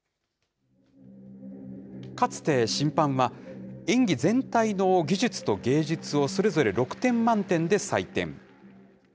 かつて審判は、演技全体の技術と芸術を、それぞれ６点満点で採点。